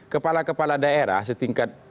kepala kepala daerah setingkat